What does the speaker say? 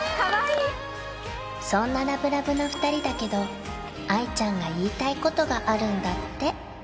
そんなラブラブな２人だけど愛ちゃんが言いたいことがあるんだって